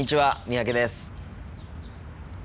三宅です。